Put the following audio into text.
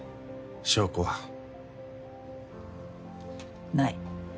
証拠は？ない。